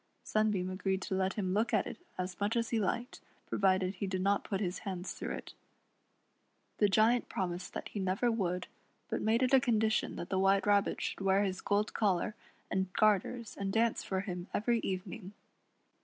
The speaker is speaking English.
Sunbeam agreed to let him look at it as much as he hked, provided he did not put his hands through it The Giant promised that he never would, but made it a condition that the White Rabbit should wear his gold collar and garters and dance for him every evening.